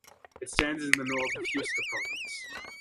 It stands in the north of Huesca province.